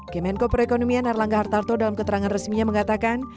kemenko perekonomian erlangga hartarto dalam keterangan resminya mengatakan